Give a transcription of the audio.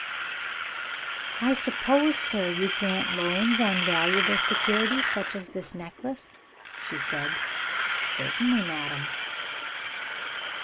"I suppose, sir, you grant loans on valuable security such as this necklace?" she said. "Certainly, madam."